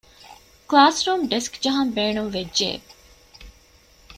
ކްލާސްރޫމް ޑެސްކް ޖަހަން ބޭނުން ވެއްޖެއެވެ.